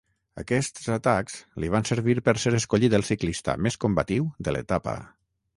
Aquests atacs li van servir per ser escollit el ciclista més combatiu de l'etapa.